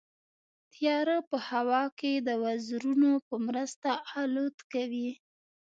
طیاره په هوا کې د وزرونو په مرسته الوت کوي.